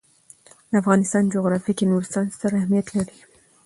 د افغانستان جغرافیه کې نورستان ستر اهمیت لري.